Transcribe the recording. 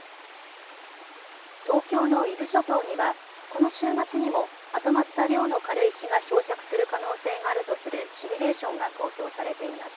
東京の伊豆諸島にはこの週末にも、まとまった量の軽石が漂着する可能性があるとするシミュレーションが公表されています。